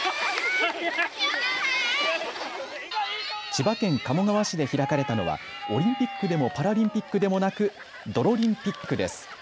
千葉県鴨川市で開かれたのはオリンピックでもパラリンピックでもなく、どろリンピックです。